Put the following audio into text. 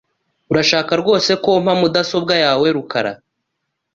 Urashaka rwose ko mpa mudasobwa yawe rukara?